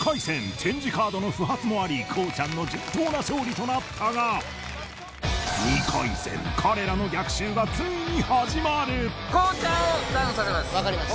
ＣＨＡＮＧＥカードの不発もありこうちゃんの順当な勝利となったが２回戦彼らの逆襲がついに始まるこうちゃんをダウンさせます